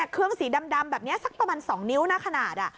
เครื่องสีดำสักประมาณ๒นิ้วขนาด